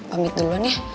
pamit duluan ya